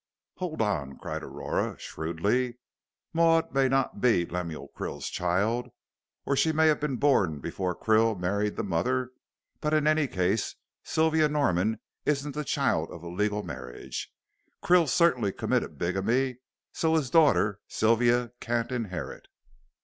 "Hold on," cried Aurora, shrewdly. "Maud may not be Lemuel Krill's child, or she may have been born before Krill married the mother, but in any case, Sylvia Norman isn't the child of a legal marriage. Krill certainly committed bigamy, so his daughter Sylvia can't inherit."